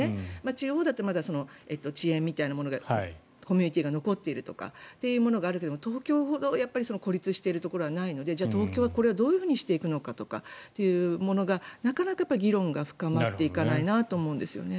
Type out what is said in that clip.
地方だってまだ地縁みたいなものがコミュニケーションが残っているということがあるけど東京ほど孤立しているところはないのでじゃあ東京はどうしていくのかというものがなかなか議論が深まっていないなと思うんですね。